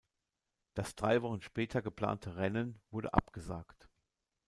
Das drei Wochen später geplante Rennen wurde abgesagt.